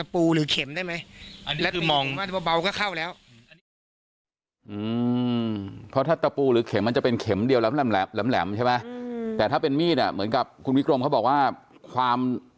เปลี่ยนเป็นตะปูหรือเข็มได้ไหมแล้วตะปูเบาก็เข้าแล้ว